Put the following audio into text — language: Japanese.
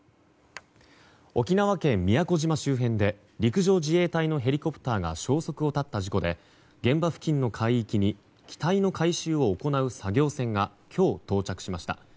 沖縄県宮古島周辺で陸上自衛隊のヘリコプターが消息を絶った事故で現場付近の海域に機体の回収を行う作業船が今日、到着しました。